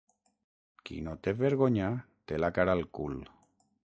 Qui no té vergonya té la cara al cul.